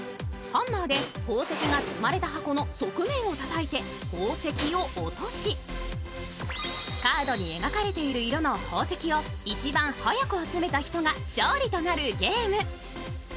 ハンマーで宝石が積まれた箱の側面をたたいて宝石を落とし、カードに描かれている色の宝石を一番早く集めた人が勝利となるゲーム。